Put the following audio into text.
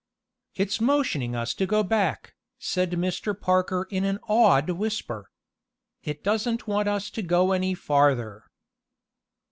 "It's motioning us to go back," said Mr. Parker in an awed whisper. "It doesn't want us to go any farther."